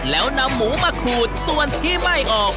แล้วนำหมูมาขูดส่วนที่ไหม้ออก